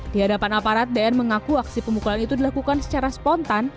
di hadapan aparat dn mengaku aksi pemukulan itu dilakukan secara spontan